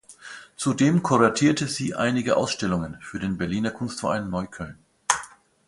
Zudem kuratierte sie einige Ausstellungen für den Berliner Kunstverein Neukölln.